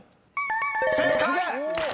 ［正解！］